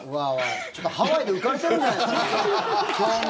ちょっとハワイで浮かれてるんじゃないですか？